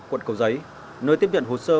quận cầu giấy nơi tiếp nhận hồ sơ